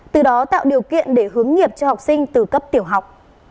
từ đó tạo điều kiện để hướng nghiệp cho học sinh từ cấp tiểu học